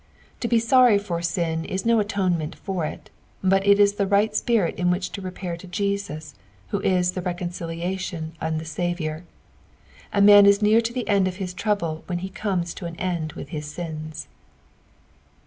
To bo sorry for nn is no atonement for it, but it is the right spirit in Trbich to repair to Jesus, who is the recondltatioo and the Saviour, A man ia nesr to the end of his trouble when he comes to sn end with his sins.